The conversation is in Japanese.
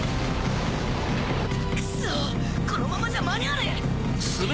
クソこのままじゃ間に合わねえ！